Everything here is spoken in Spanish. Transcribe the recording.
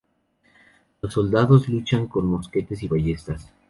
Los soldados luchan con mosquetes y ballestas.